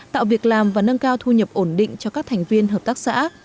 tạo việc làm và nâng cao thu nhập ổn định cho các thành viên hợp tác xã